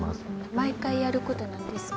毎回やることなんですか？